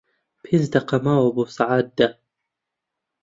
پێنج دەقەی ماوە بۆ سەعات دە.